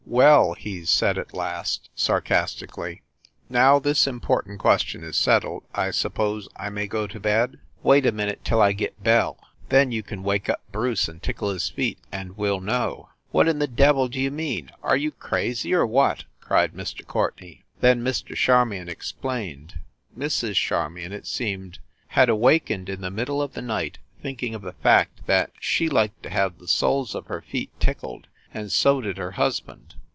"Well," he said at last, sarcastically, "now this important ques tion is settled, I suppose I may go to bed ?" "Wait a minute till I get Belle! Then you can wake up Bruce and tickle his feet and we ll know." "What in the devil d you mean? Are you crazy, or what?" cried Mr. Courtenay. Then Mr. Charmion explained. Mrs. Charmion, it seemed, had awakened in the middle of the night THE BREWSTER MANSION 335 thinking of the fact that she liked to have the soles of her feet tickled, and so did her husband.